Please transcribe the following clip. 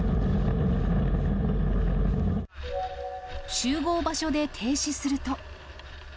集合場所で停止すると。